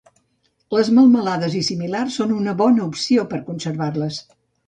Les melmelades i similars són una bona opció per a conservar-les.